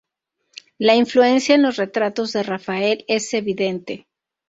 La influencia en los retratos de Rafael es evidente.